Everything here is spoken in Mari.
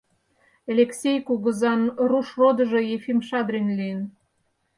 Элексей кугызан руш родыжо Ефим Шадрин лийын.